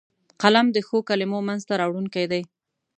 قلم د ښو کلمو منځ ته راوړونکی دی